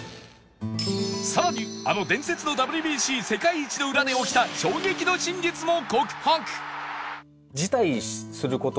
更にあの伝説の ＷＢＣ 世界一の裏で起きた衝撃の真実も告白！